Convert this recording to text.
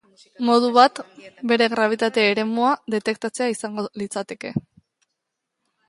Modu bat, bere grabitate eremua detektatzea izango litzateke.